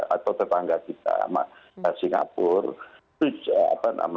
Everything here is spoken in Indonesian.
atau tetangga kita singapura